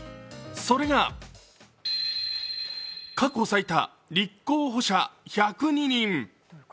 それが過去最多、立候補者１０２人。